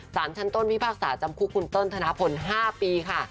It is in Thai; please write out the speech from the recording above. สารชั้นต้นพิพากษาจำคุกคุณเติ้ลธนพล๕ปีค่ะ